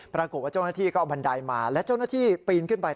ปรากฏว่าเจ้าหน้าที่ก็เอาบันไดมาและเจ้าหน้าที่ปีนขึ้นไป